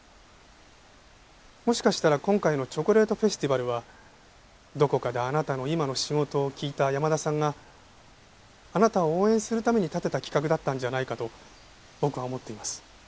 もしかしたら今回のチョコレートフェスティバルはどこかであなたの今の仕事を聞いた山田さんがあなたを応援するために立てた企画だったんじゃないかと僕は思っています。